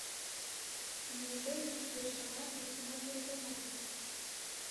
Неужели тулеч вара тый иктымат йӧратен отыл?